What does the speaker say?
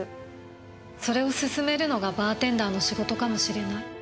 それを勧めるのがバーテンダーの仕事かもしれない。